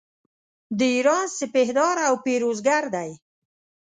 د ایران سپهدار او پیروزګر دی.